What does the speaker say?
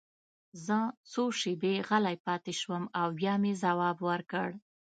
زه څو شېبې غلی پاتې شوم او بیا مې ځواب ورکړ